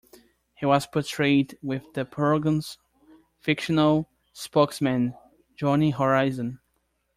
He was portrayed with the program's fictional spokesman, Johnny Horizon.